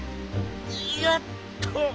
よっと。